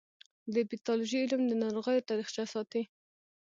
د پیتالوژي علم د ناروغیو تاریخچه ساتي.